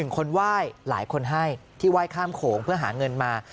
คนไหว้หลายคนให้ที่ไหว้ข้ามโขงเพื่อหาเงินมา